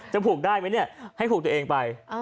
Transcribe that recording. ผูกได้ไหมเนี่ยให้ผูกตัวเองไป